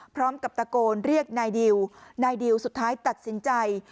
พร้อมกับตะโกนเรียกนายดิวนายดิวสุดท้ายตัดสินใจ